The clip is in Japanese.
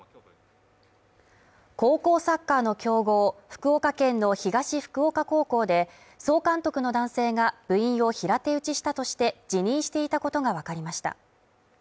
高校サッカーの強豪福岡県の東福岡高校で総監督の男性が、部員を平手打ちしたとして辞任していたことがわかりました。